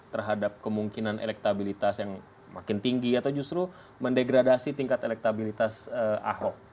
terhadap kemungkinan elektabilitas yang makin tinggi atau justru mendegradasi tingkat elektabilitas ahok